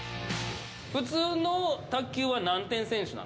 普通の卓球は何点先取なの？